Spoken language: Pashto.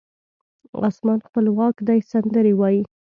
اسمان خپلواک دی سندرې وایې